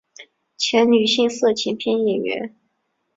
前女性色情片演员。